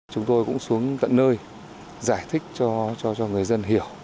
chúng tôi cũng xuống tận nơi giải thích cho người dân hiểu